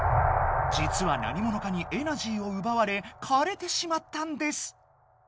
じつは何ものかにエナジーをうばわれかれてしまったんです。